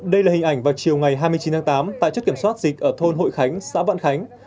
đây là hình ảnh vào chiều ngày hai mươi chín tháng tám tại chất kiểm soát dịch ở thôn hội khánh xã vạn khánh